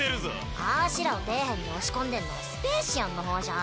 あしらを底辺に押し込んでんのはスペーシアンの方じゃん。